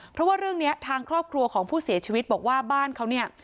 เพราะว่าเรื่องนี้ทางครอบครัวของผู้เสียชีวิตบอกว่าบ้านเขาเนี่ย